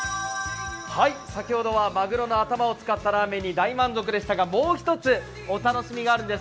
先ほどはまぐろの頭を使ったラーメンに大満足でしたがもう一つ、お楽しみがあるんです。